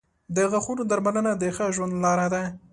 • د غاښونو درملنه د ښه ژوند لار ده.